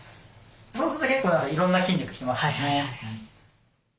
そうすると結構いろんな筋肉つきますね。